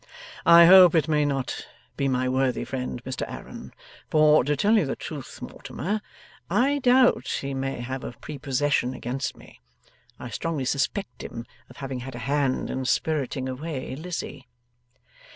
I hope it may not be my worthy friend Mr Aaron, for, to tell you the truth, Mortimer, I doubt he may have a prepossession against me. I strongly suspect him of having had a hand in spiriting away Lizzie.